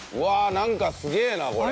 なんかすげえなこれ。